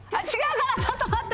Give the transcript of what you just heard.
ちょっと待って。